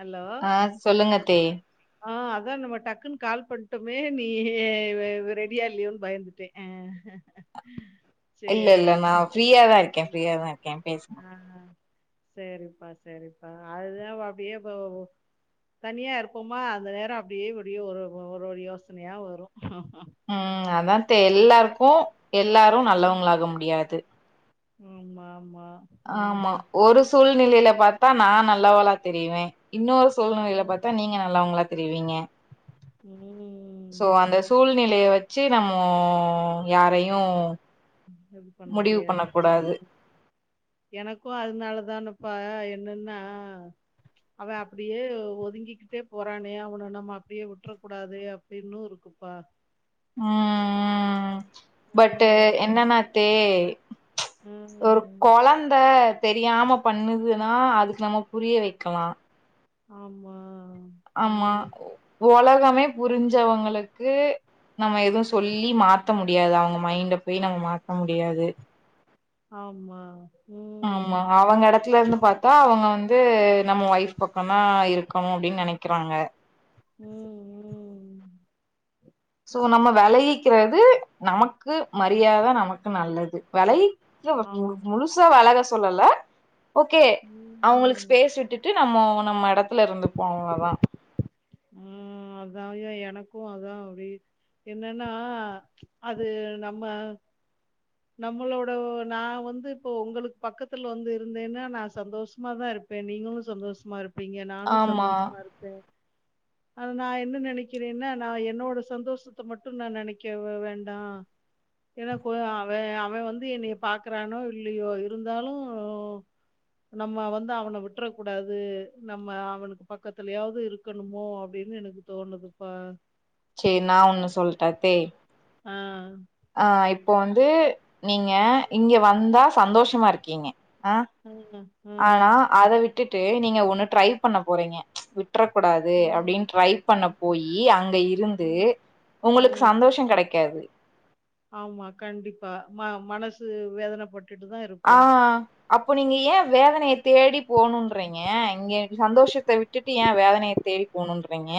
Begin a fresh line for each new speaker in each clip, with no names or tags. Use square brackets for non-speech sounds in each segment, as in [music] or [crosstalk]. Hello.
ஆ சொல்லுங்க தே
அதா நம்ம டக்குன்னு கால் பண்ட்டோமே நீ ஆ ரெடியா இல்லயோன் பயந்துட்டே அ
இல்ல இல்ல நா ஃப்ரீயாதா இருக்கே ஃப்ரீயாதா இருக்கே பேசுங்க
செரிப்பா செரிப் அது ஒ அப்டியே இப்ப தனியா இருப்போமா அந்த நேரோ அப்டியே ஒரு ஒரு ஒரு யோசனையா வரு
ம் அதா த்தே எல்லார்க்கு எல்லாரு நல்லவங்களாக முடியாது
ஆமா ஆமா ம்.
ப்ப நா நல்லவலா தெரிவே இன்னொஸ் சூழ்நெலயில பாத்தா நீங்க நல்லவங்களா தெரிவீங்க சோ
ம்.
அந்த சூழ்நிலய வச் செ நம்மோ யாரையு
இது பண்ண
முடிவு
முடியாது
கூடாது
எனக்கு அதனாலதானப்பா என்னன்னா அவ அப்டியே ஒதுங்கிக்கிட்டே போறானே அவன நம்ம அப்டியே வுட்ற கூடாது அப்டின்னு இருக்குப்பா
ம் ம் பட்டு
ம்,
என்னனாத்தே ச் ஒரு
ம்.
கொழந்த தெரியாம பண்ணுதுனா அதுக் நம்ம புரிய வெக்கலா
ஆமா
ஆமா
ம்.
ஒலகமே புரிஞ்சவங்களுக்கு நம்ம எது சொல்லி மாத்த முடியாது அவங்க மைண்ட போய் நம்ம மாத்த முடியாது
ஆமா
ஆமா
ம்.
அவங்க எடத்துல இருந்து பாத்தா அவங்க வந் து நம்ம ஒய்ஃப் பக்கம் தான் இருக்கணும் அப்டின்னு நெனைக்கிறாங்க
ம் ம்
சோ நம்ம வெளகிக்கிறது நமக்கு மரியாத நமக்கு நல்லது வெளகி [unintelligible]
ஆமா.
முழுசா வெலக சொல்லல ஒகே அவங்ளுக்கு
ம்.
ஸ்பேஸ் விட்டுட்டு நம்மோ நம்ம எடத்துல இருந்து போனோங்கதா
ம் அத யா எனக்கு அதா வெ என்னன்னா அது நம்ம நம்மளோட நா வந்து இப்போ உங்களுக் பக்கத்துல வந்து இருந்தேனா நா சந்தோஷமாதா இருப்பே நீங்களு சந்தோஷமா இருப் பிங்க நானு
ஆமா
சந்தோஷமா இருப்பே அத நா என்ன நெனைக்கிறேனா நா என்னோட சந்தோஷத்த மட்டு நா நெனைக்க வேண்டா ஏனா அவெ அவெ வந்து என்னைய பாக்குறானோ இல்லயோ இருந்தாலு நம்ம வந்து அவன விட்ற கூடாது நம்ம அவனுக்கு பக்கத்துலயாவது இருக்க ணுமோ அப்டின்னு எனக்கு தோணுதுப்பா
சேரி நா ஒண்ணு சொல்ட்டத்தே
ஆஹ்
ஆஹ் இப்போ வந்து நீங்க இங்க வந்தா சந்தோஷ மா இருக்கீங்க ஆ
ம் ஆ.
ஆனா அத விட்டுட் டு நீங்க ஒண்ணு ட்ரை பண்ண போறீங்க விட் விட்றக்கூடாது
ம். ம்.
அப்டின்னு ட்ரை பண்ண போயி அங்க இருந்து
ம்.
உங்களுக்கு
ம்.
சந்தோஷோ கெடைக்காது
சு வேதன பட்
ஆ அப்போ நீங்க ஏ வேதனய தேடி போணுன்றீங்க இங்கே சந்தோஷத்த விட்டுட்டு ஏ வேதனய தேடி போணுன் றீங்க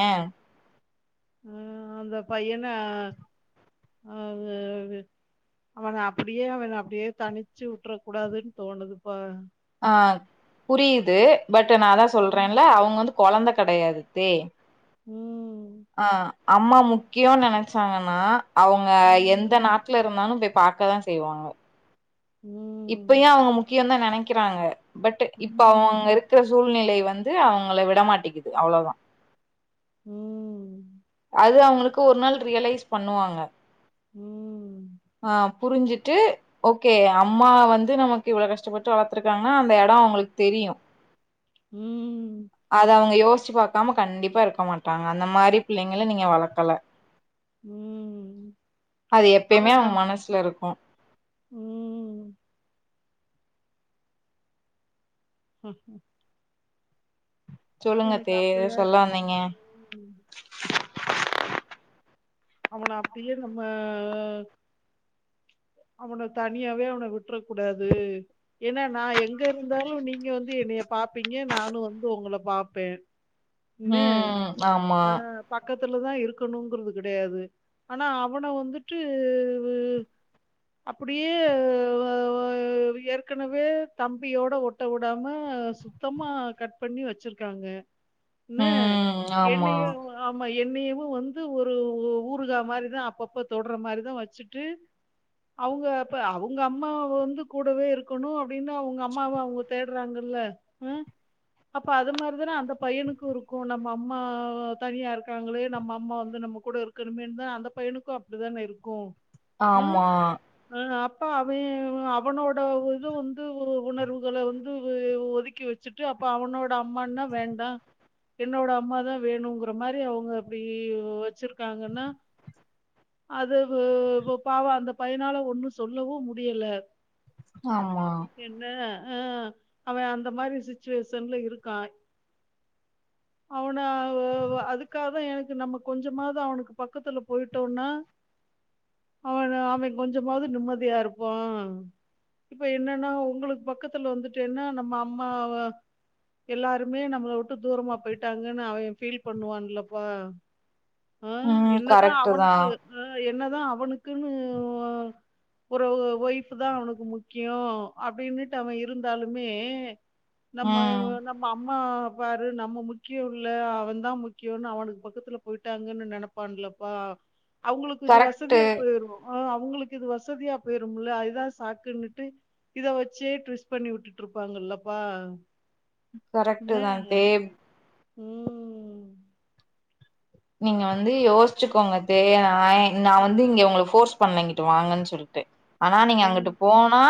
அ அந்த பையன அது அவன அப்டியே அவன அப்டியே தனிச்சு உட்டுறக்கூடாதுன் தோணுதுப்பா
ஆ புரியுது பட் டு நா அதா
ம்.
சொல்றேன்ல அவுங்க வந்து கொழந்த கெடையாதுத்தே
ம்.
ஆ அம்மா முக்கியோன் நெனச்சாங்கன்னா அவுங்க எந்த
ம்.
நாட்டுல இருந்தாலு போய் பாக் க்கதா செய்வாங்க
ம்.
இப்பயு அவங்க முக்கியொ தா நெனக் க்கிறாங்க பட் இப்ப
ம்.
அவங்க இருக்கிற சூழ்நிலை வந் து அவங்கள விடமாட்டிக்குது அவ்ளோதா
உம்ம்
அது அவங்களுக்கு ஒரு நாள் ரியலைஸ் பண்ணுவாங்க
ம்.
ஆஹ் புரிஞ்சுட்டு ஒ ஓகே அம்மா வந்து நமக்கு இவ்ளோ கஷ்டப்பட்டு வளத்துருக்காங்க அந்த எடோ அவங்களுக்கு தெரியு
ம்.
அத அவங்க யோச்சு பாக்காம கண்டிப்பா இருக்க மாட்டாங்க அந்த மாரிப் பிள்ளைங்கள நீங்க வளர்க்கல
ம்.
அது எப்பேயுமே அவங்க்
அவன்
மனச்ல இருக்கு
ம். ஹ
சொல்லுங்கத்தெயே
அப்படிதான் இருக்கு.
சொல்லாதீங்க
ம். அவன அப்டியே நம்ம அவன தனியாவே அவன விட்ர கூடாது ஏனா நா எங்க இருந்தாலு நீங்க வந்து என்னய பாப்பீங்க நானு வந்து உங்கள பாப்பே
ஹ ஆமா
துலதா இருக்கணுங்குறது கிடையாது ஆனா அவன வந்துட்டு அப்டியே ஆ ஏற்கனவே தம்பியோட ஒட்ட வுடாம சுத்தமா கட் பண்ணி வச்சுருகாங்க ன்னு
ம் ஆமா
என்னய வு ஆமா என்னயவு வந்து ஒரு ஊறுகா மாறிதா அப்பப்ப தொட்ற மாறிதா வச்சுட்டு அவங்க அப்ப அவங்க அம்மா வந்து கூடவே இருக்கணு அப்டின்னு அவங்க அம்மாவ அவங்க தேடுறாங்கல்ல உஹ் அப்ப அத மாறிதானே அந்த பயனுக்கு இருக்கு நம்ம அம்மா தனியா இருக்காங்களே நம்ம அம்மா வந்து நம்ம கூட இருக்கணுமேனுதா அந்த பயனுக்கு அப்டிதானே இருக்கு
ஆமா
அப்ப அவ அவனோட இது வந்து உணர்வுகள வந்து ஒதுக்கி வச்சுட்டு அப்ப அவனோட அம்மானா வேண்டா என்னோட அம்மாதா வேணுங்குற மாறி அவங்க அப்டி வச்சிருக்காங்கன்னா அது பாவ அந்த பயனால ஒண்ணு சொல்லவு முடியல
ஆம்மா
ஆஹ் அவ அந்த மாரி சிச்சுவேஷன்ல இருக்கா அவன ஆ அதுக்கா எனக்கு நம்ம கொஞ்சமாது அவனுக்கு பக்கத்ல போயிட்டோனா அவன அவ கொஞ்சமாது நிம்மதியா இருப்போ இப்ப என்னனா உங்களுக்கு பக்கத்ல வந்துட்டேனா நம்ம அம்மாவ எல்லார்மே நம்மள விட்டு தூரமா போயிட்டாங்கனு அவன் ஃபீல் பண்ணுவான் லப்பா அ
ம்
என்னதா
கரெக்ட்டு தா
அவனுக்கு ஆ என்னதா அவனுக்குனு அ ஒரு ஒய்ப் தா அவனுக்கு முக்கியம் அப்படின்ட்டு அவ இருந்தாலுமே நம்ம
ம்
நம் அம் மா பாரு நம்ம முக்கிய இல்ல அவன் தான் முக்கியம்னு அவனுக்கு பக்கத்துல போயிட்டாங்கனு நினைப்பான் லப்பா அவுங்களுக்கு இது
கரெக்ட்டு
வசதியா போயிரு அவுங்களுக்கு இது வசதியா போயிரும்ல இதா சாக்குனுட்டு இத வச்சே ட்விஸ் பண்ணி விட்டுட்டு இருப்பாங்க லப்பா
கரெக்டு தா அத்தே
உம்
நீங்க வந்து யோசிச்சு கோங்க தெயா நாயே நா
ஆ.
வந்து இங்க உங்கள ஃபோர்ஸ் பண்ணல வாங்கனு சொல்ட்டு ஆனா
ஆ.
நீங்க அங்கிட்டு போனா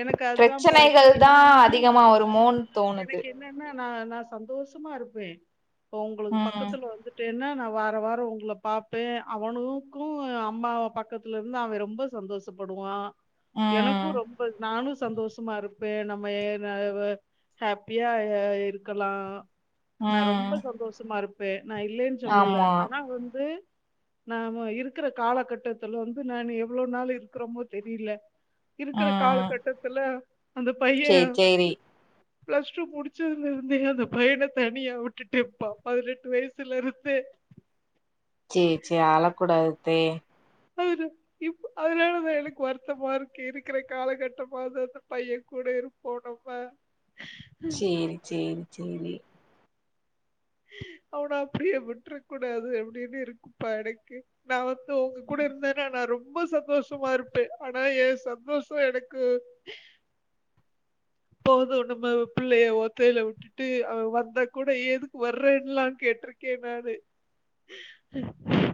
எனக்கு அதுதான்ப்பா
பிரச்சனைகள்
எனக்கு
தா
என்னன்னா
அதிகமா வருமோன் தோணுது
எனக்கு என்னனா நா நா சந்தோஷமா இருப்பே இப்ப உங்களுக்கு
ம்
பக்கத்ல வந்துட்டேனா நா வார வாரம் உங்கள பாப்பேன் அவனுக்கு அம்மாவ பக்கத்ல இருந்து அவன் ரொம்ப சந்தோஷபடுவான் எனக்கு
ம்
ரொம் நானு சந்தோஷமா இருப்பே நம்ம [unintelligible] ஹேப்பியா இருக்கலா நா ரொம்ப
ம்
சந்தோஷமா இருப் [unintelligible] நா இல்லேன்னு சொல்லல
ஆமா
ஆனா வந்து நாம இருக்குற காலகட்டத்துல வந்து நானு எவ்வுளோ நாள் இருக்குறோமோ தெரில இப் இருக்குற
ம்
காலகட்டத்துல அந்த பைய
சேரி சேரி
பிளஸ் டூ முடுச்சதுல இருந்தே அந்த பையன தனியா விட்டுட்டேபா பதினெட்டு வயசுல இருந்தே
சேர் சேர் அளக் கூடாது தே
[inaudible] அதுனாலதா எனக்கு வருத்தமா இருக்கு இருக்குற காலகட்ட மாவுது அந்த பைய கூட இருபோ நம்ம
சேரி சேரி சேரி
அவன அப்டியே விட்றக்கூடாது அப்பிடின் இருக்குப்பா எனக்கே நா வந் து உங்க கூட இருந்தனா நா ரொம் ரொம்ப சந்தோஷ்சுமா இருப்பே ஆனா ஏ சந்தோஷ்சோ எனக்கு போது நம்ம புள்ளைய ஒத்தையில விட்டுட்டு அவே வந்தா கூட ஏதுக்கு வர்றேன்னுலா கேட்டிருக்கே நானு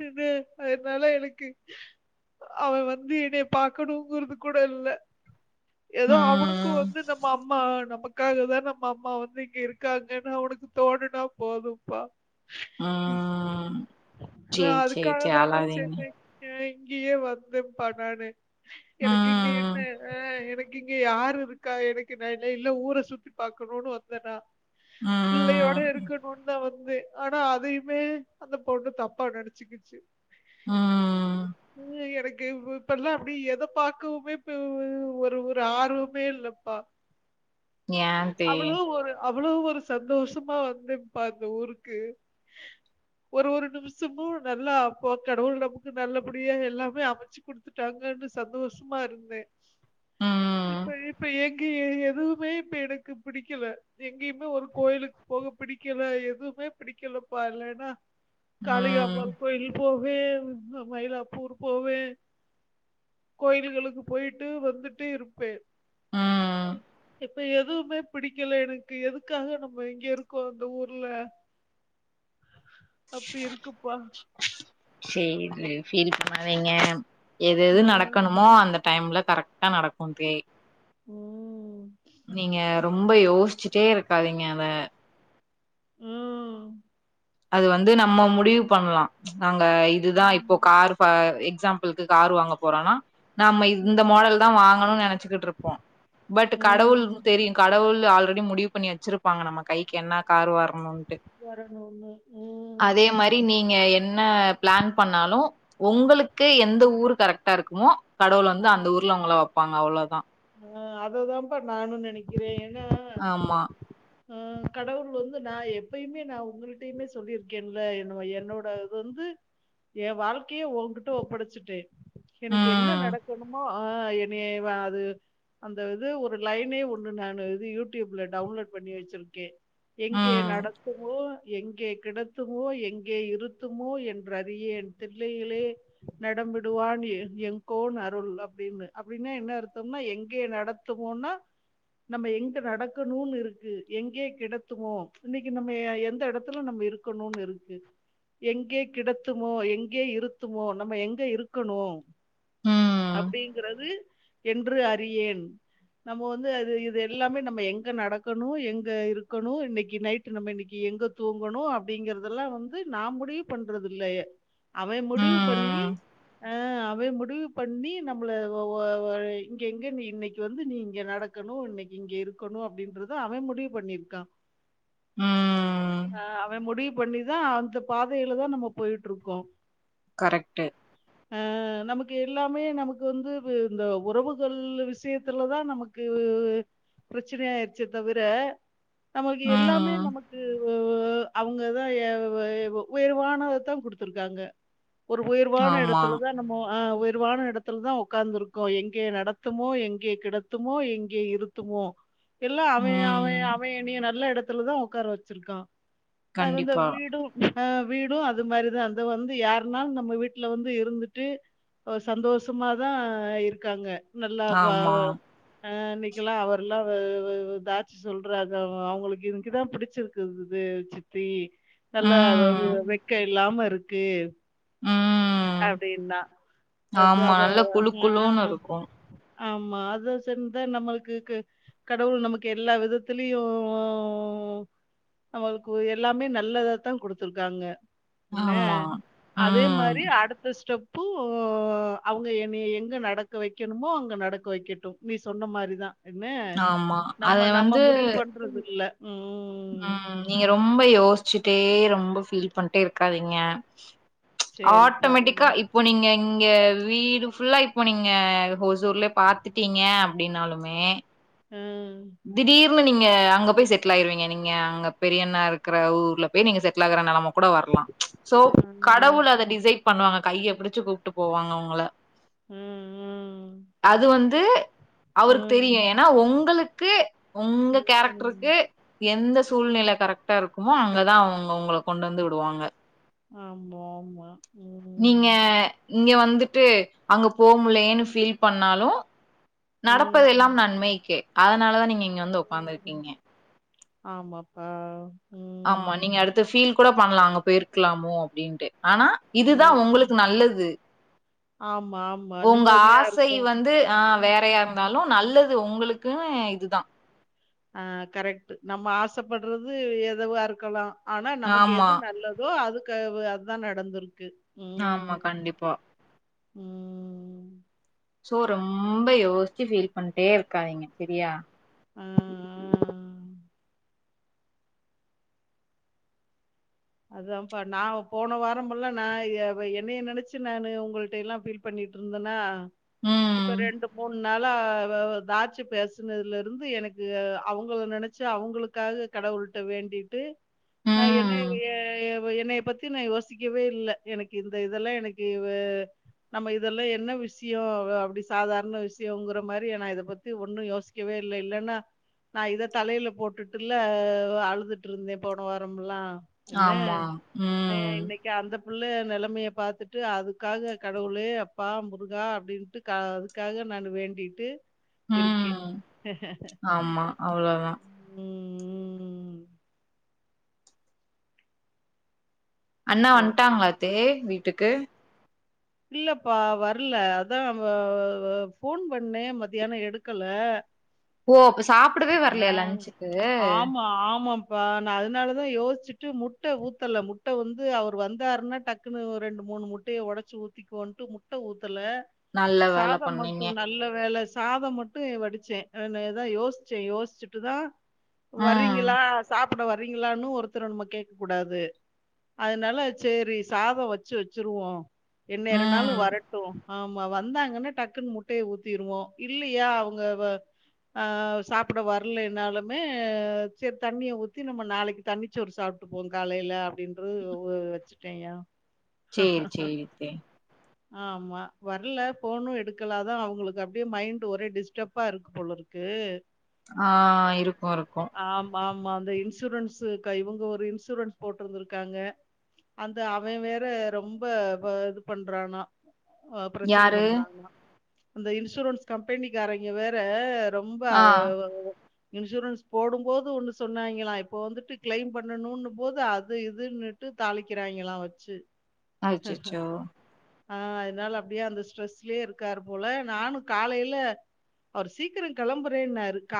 இது அதுனால எனக்கு அவன் வந்து என்னைய பாக்கணுங்குறது கூட இல்ல ஏதோ அவுனுக்கு
ம்
வந்து அம்மா நமக்காக தான் நம்ம அம்மா வந்து இங்க இருக்காங்கன்னு அவுனுக்கு தோணுனா போதும்ப்பா
ம்
நா
சேரி சேரி சேரி
அதுக்காகதா நா
அழாதீங்க
சேத்தி [unintelligible] இங்கியே வந்து பனானே எனக்கு இங்கு
ம்
என்ன ஆஹ் எனக் இங்கி யாரு இருக் க்கா எனக்கு நா இல் இல்ல ஊர சுத்தி பாக்கணும்னு வந்தன்னா பிள்ளையோட
ம்
இருக்கணுன்தா வந் தே ஆனா அதையுமே அந்த பொண்ணு தப்பா நெனச்சுக்குச்சு
ம்
உம் எனக் க்கு இப்பல்லா அப்டி எத பாக்குமே இப்ப ஒ ஒரு ஒரு ஆர்வுமே இல்ல பா
நியாந்தே
அவ்வுளோ ஒரு சந்தோஷ்மா வந்தேன்ப்பா இந்த ஊருக்கு ஒரு ஒரு நிமிஷமும் நல்லா அப்ப கடவுள் நமக்கு நல்லபடியா எல்லாமே அமைச்சு குடுத்துட்டாங்கன்னு சந்தோஷ்மா இருந்தே
ம்
இப்ப இப் எங்கியே எதுவுமே இப்ப எனக்கு பிடிக்கில எங்கயுமே ஒரு கோயிலுக் போக பிடிக்கில எதுவுமே பிடிக்கிலப்பா இல்லைனா
ம்
காளிங்கம்பால் கோயில் போ [unintelligible] மயிலாப்பூர் போவே கோயில்களுக்கு போயிட்டு வந்துட்டு இருப்பே
ம்
இப்ப எதுவுமே பிடிக்கில எனக்கு எதுக்காக நம்ம இங்க இருக்கோம் அந்த ஊர்ல அப்டி இருக்குப்பா
சேரி ஃபீல் பண்ணாதிங்க எது எது
ஆ.
நடக்கணுமோ அந்த டைம்ல கரெக்டா நடக்கும் தெ
உம்
நீங்க ரொம்ப யோசிச்சுட்டே இருக்காதீங்க அத
உம்
அது வந்து நம்ம முடிவு பண்ணலாம் நாங்க இதுதான் இப்போ கார் எக்ஸாம்பிளுக்கு கார் வாங்க போறோம்னா. நம் இந்த
ம்.
மாடல் தான் வாங்கணும்னு நெனைச்சகிட்டு இருப்போம் பட்
ம்.
கடவுள் தெரியும் கடவுள் ஆல்ரெடி முடிவு பண்ணி வெச்சிருப்பாங்க நம்ம கைக்கு என்ன கார் வரணும்
வரனு
அதே மாதிரி நீங்க என்ன பிளான் பண்ணாலும் உங்களுக்கு எந்த
ம்.
ஊர் கரெக்டா இருக்குமோ கடவுள் வந்து அந்த ஊர்ல உங்கள வெப்பாங்க அவ்ளோதா
ஆ அததான்ப்பா நானு நெனைக்கிறேன்
ஆமா
ஆ கடவுள் வந்து நா எப்பயுமே நான் உங்களிட்டையுமே சொல்லியிருக்கேன்ல என் என்னோட இது வந்து என் வாழ்க்கையே ஓன்கிட்ட ஒப்படைச்சுட்டேன் எனக்கு என்ன
ம்
நடக்கணுமோ ஆ என்னைய வா அது அந்த இது ஒரு லைனே ஒண்ணு நான் இது யூடியூப்ல டவுன்லோட் பண்ணி வச்சிருக்கேன் எங்கே
ம்
நடக்குமோ எங்கே கிடத்துமோ எங்கே இருத்துமோ என்று அறியேன் தில்லையிலே நடம் விடுவான் எங் எங்கோன் அருள் அப்டின்னு அப்டின்னா என்ன அர்த்தம்னா எங் எங்கே நடத்துமோனா நம்ம எங்க நடக்கணுனு இருக்கு எங்கே கிடத்துமோ இன்னைக்கு நம்ம எந்த இடத்துல நம்ம இருக்கணுனு இருக்கு எங்கே கிடத்துமோ எங்கே இருத்துமோ நம்ம எங்க இருக்கணு
ம்
அப்டிங்கிறது என்று அறி றியேன் நம்ம வந்து அது இது எல்லாமே நம்ம எங்க நடக்கணு எங்க இருக்கணு இன்னைக்கி நைட் நம்ம இன்னைக்கி எங்க தூங்கணு அப்படிங்கறதெல்லா வந்து நான் முடிவு பண்றது இல்லைய அவன் முடிவு பண்ணி
ம்
அ அவே முடிவு பண்ணி நம்மள ஒ இங்க எங்க நீ இன்னைக்கி வந்து நீ இங்க நடக்கணு இன்னைக்கி இங்க இருக்கணு அப்டின்றத அவன் முடிவு பண்ணிருக்கான்
ம்
ஆ அவன் முடிவு பண்ணிதான் அந்த பாதையில தான் நம்ம போயிட்டு இருக்கோம்
கரெக்டு
அ நமக்கு எல்லாமே நமக்கு வந்து இந்த உறவு [unintelligible] விஷயத்துலதான் நமக்கு பிரச்சனைய ஆயிருச்சே தவிர நமக்கு எல்லாமே
ம்
நமக்கு ஒ அவங்கதான் எ வ உயர்வானத தான் குடுத்துருக்காங்க ஒரு உயர்வான
ஆமா
இடத்துலதான் நம்மோ ஆ உயர்வான இடத்துல தான் உக்காந்துருக்கோம் எங்கே நட த்துமோ எங்கே கிடத்துமோ எங்கே இருத்துமோ எல்லா அவே அவே
ம்
அவே எனிய நல்ல எடத் துல தா உக்கார வெச்சிருக்கா அது அந்த
கண்டிப்பா
வீடும் ஆ வீடூ அது மாரிதா அந்த வந்து யாருனாலு நம்ம வீட்ல வந்து இருந்துட்டு சந்தோஷமாதா இருக்காங்க நல்லாப்பாவ
ஆமா
அ இன்னைக்கெல்லா அவரெல்லா வ வ வ தாச்சி சொல்றாங்க அவங்களுக்கு இதுக்குதா பிடிச்சிருக்குது சித்தி நல்லா வ
ம்
வெ வெக்க ல்லாம இருக்கு
ம்
அப்டீன்தா அதா
ஆமா
அப்ப
நல்லா குழு குழுன்னு
ஆ
இருக்கு
ஆமா அதா செரின்தா நம்ளுக்கு கு கடவுள் நமக்கு எல்லா விதத்துலயு நம்மளுக்கு எல்லாமே நல்லதாதா குடுத்துருக்காங்க என்ன
ஆமா.
அதே
ம்.
மார் ரி அடுத்த ஸ்டெப் போ அவங்க என்னய எங்க நடக்க வைக்கணுமோ அங்க நடக்க வைக்கட்டு நீ சொன்ன மாரிதா என்ன
ஆமா.
நம்ம நம்ம முடிவு பண்றதில்ல
உம் நீங்க ரொம்ப யோச்சு டே ரொம்ப ஃபீல் பண்டே இருக்காதீங்க
சேரிப்பா
ஆட்டோமேட்டிக்கா இப்போ நீங்க எங் நீங்க வீடு ஃபுல்லா இப்போ நீங்க ஹோசூர்லயே பாத்துட்டீங்க அப்படீனாலுமே
ஆ
திடீவ் னு நீங்க அங்க போய் செட்டில் ஆயிருவீங்க நீங்க அங்க பெரியண்ணா இருக்கிற ஊர்ல போய் நீங்க செட்டில் ஆகுற நெலம கூட வரலா சோ கடவுள் அத டிசைட் பண்ணுவாங்க கையப் புடிச்சு கூப்ட்டு போவாங்க உங்கள அது வந் து அவருக்கு தெரியு ஏனா உங்களுக் கு உங்க கேரெக்டருக்கு எந்த சூழ்நில கரெக்டா இருக் குமோ அங்கதா அவங்க உங்கள் கொண்டந்து விடுவாங்க
ஆமாமா
நீங்க இங்க வந்துட்டு அங்க போக முல்லயேன்னு ஃபீல் பண்ணாலு
ம் ம் ஆமா ஆமா ம் ம் ம்
நடப்பதெல்லாம் நன்மைக்கே அதனால தான் நீங் வந்து உகாந்துருக்கீங்க
ஆமாப்பா
ஆமா
ம்
நீங்க அடுத்த ஃபீல் கூட பண்ணலாம் அங்க போயிருக்கலாமோ அப்படின்ட்டு ஆனா இதுதான்
ம்
உங்களுக்கு நல்லது
ஆமா ஆமா
உங்க
நிம்மதியா
ஆசை
இருக்கும்
வந்து ஆஹ் வேறையா
ம்
இருந்தாலும் நல்லது உங்களுக் எனக்குன்னு இது தான்
ஆஹ் கரெக்ட் நம்ம ஆசைப்படுறது எதவா இருக்கலா ஆனா நமக்கு
ஆமா
எது நல்லதோ அது இக் அதுதான் நடந்தருக்கு
ஆமா கண்டிப்பா
ம்
சோ ரொம்ப யோசிச்சு ஃபில் பண்ணிட்டே இருக்காதீங்க செரியா
ஆஹ் ஆஹ் அதான்ப்பா நான் போன வாரமல்லாம் நான் என்னைய நெனைச்சு நானு உங்கள்டேலாம் ஃபீல் பண்ணிட்டு இருந்தேனா
ம்.
இப்ப ரெண்டு மூணு னால வ வ தாட்சி பேசினதுல இருந்து எனக்கு அவுங்கள நெனைச்சு அவுங்களுக்காக கடவுள்ட்ட வேண்டிட்டு நான் என்னைய
உம்
என்னைய பத்தி நான் யோசிக்கவே இல்ல எனக்கு இந்த இதெல்லாம் எனக்கு இவ நம்ம இதெல்லாம் என்ன விஷ்யம் அப்டி சாதாரண விஷ்யங்கிற மாரி நான் இத பத்தி ஒன்னும் யோசிக்கவே இல்ல இல்லன்னா நான் இத தலையில போட்டுட்டு இல்ல அழுதுட்டு இருந்தேன் போன வாரம்லாம்
ஆமா உம்
புள்ள நெலைமைய பாத்துட்டு அதுக்காக கடவுளே அப்பா முருகா அப்டின்ட்டு அதுக்காக நான் வேண்டிட்டு இருக்கேன்
ம். ஆமா. அவ்ளோதான்.
உம் உம்
அண்ணா
சரி.
வந்ட்டாங்களா தேவ் வீ ட்டுக்கு
இல்லப்பா வர்ல அதான் வ வ வ போன் பண்ணே மத்தியானம் எடுக்கல
ஓ அப்ப சாப்டவே வரலையா லஞ்சுக்கு
ப்பா நான் அதனாலதான் யோசிச்சுட்டு முட்ட ஊத்தல முட்ட வந்து அவர் வந்தாருன்னா டக்குன்னனு ஒரு ரெண்டு மூணு முட்டயை உடைச்சு ஊத் திக்கோன்டு முட்ட ஊத் ஊத்தல
நல்ல வேல
சாதம்
பண்ணீங்க.
மட்டும் நல்ல வேல சாதம் மட்டும் வடுச்சேன் நானு ஏதாவ யோசிச்சேன் யோசிச்சுட்டுதான்
ம்.
வரீங்களா சாப் சாப்புட வரீங்களான்னு ஒருத்தர நம்ம கேட்க கூடாது அதனால சேரி சாதம் வச்சு வச்சிருவோம் என்னேரனாலும்
ம்.
வரட்டும் ஆமா வந்தாங்கன்னா டக்குன்னு முட்டையை ஊத்திருவோம் இல்லையா அவங்க வ ஆஹ் சாப்பிட வரலைனாலுமே சேரி தண்ணிய ஊத்தி நம்ம நாளைக்கு தண்ணிச் சோறு சாப்பிட்டுப்போம் காலேல அப்டின்னுறோ ஒ வச்சுட்டேன்யா
சேரி சேரி த்தே
ஆம்மா வர்ல போனும் எடுக்கல அதான் அவுங்களுக்கு அப்டியே மைண்ட் ஒரே டிஸ்டர்பா இருக்கு போல இருக்கு
ஆஹ் இருக்கும் இருக்கும்
இன்சூரன்ஸ் க இவுங்க ஒரு இன்சூரன்ஸ் போட்டிருந்திருக்காங்க அந்த அவன் வேற ரொம்ப வ இது பண்றானா ஆஹ் பிரச்சன
யாரு?
பண்றாங்களா அந்த இன்சூரன்ஸ் கம்பெனிக்காரங்கே வேற ரொம்ப ஆ வ வ இன்சூரன்ஸ் போடும்போது ஒண்ணு சொன்னாங்களாம் இப்போ வந்துட்டு கிளைம் பண்ணணும்னு போது அது இதுன்ட்டு தாளிக்கிறாங்களாம் வச்சு.
அச்சச்சோ
ஆஹ் அதனால அப்டியே அந்த ஸ்ட்ரெஸ்லயே இருக்காரு போல நானும் காலேய்ல அவரு சீக்கிரம் கிளம்புறேன்னாரு கா